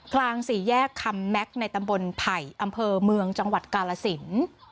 กลางสี่แยกคัมแม็กซ์ในตำบลไผ่อำเภอเมืองจังหวัดกาลสิน